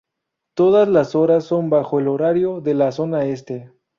Todas las horas son bajo el horario de la Zona Este.